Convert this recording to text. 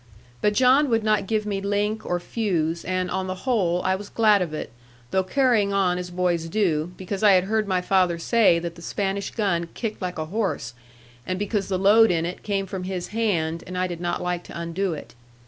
But John would not give me link or fuse, and, on the whole, I was glad of it, though carrying on as boys do, because I had heard my father say that the Spanish gun kicked like a horse, and because the load in it came from his hand, and I did not like to undo it.